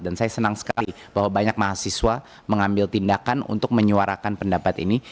dan saya senang sekali bahwa banyak mahasiswa mengambil tindakan untuk menyuarakan pendapat ini